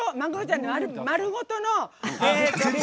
丸ごとの。